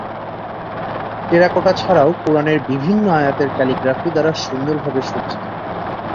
Terracotta ছাড়াও কুরআনের বিভিন্ন আয়াতের ক্যালিগ্রাফি দ্বারা সুন্দরভাবে সজ্জিত।